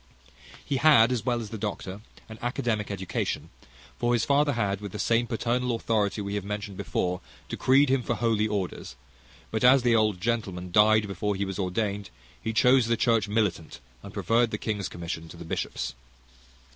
He had, as well as the doctor, an academic education; for his father had, with the same paternal authority we have mentioned before, decreed him for holy orders; but as the old gentleman died before he was ordained, he chose the church military, and preferred the king's commission to the bishop's.